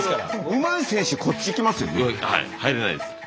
うまい選手こっち行きますよね。